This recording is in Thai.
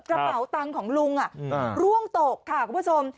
กระเป๋าตังค์ของลุงร่วงตกค่ะคุณผู้ชม